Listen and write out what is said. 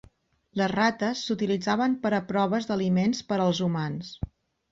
Les rates s'utilitzaven per a proves d"aliments per als humans.